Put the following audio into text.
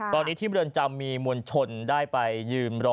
ตอนนี้ที่เมืองจำมีมวลชนได้ไปยืนรอ